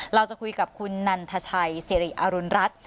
เราจะคุยกับคุณนันทชัยสิริอรุณรัฐ